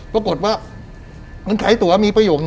ปรากฏว่ามันขายตัวมีประโยคนี้